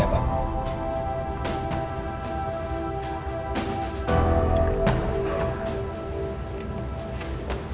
tapi dia gak mau mendengarkan saya pak